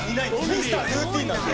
ミスタールーティンなんで。